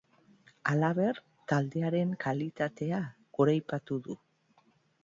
Halaber, lantaldearen kalitatea goraipatu du.